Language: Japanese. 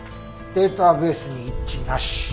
データベースに一致なし。